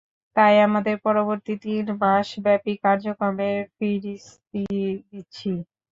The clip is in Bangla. তাই, আমাদের পরবর্তী তিন মাস ব্যাপি কার্যক্রমের ফিরিস্তি দিচ্ছি।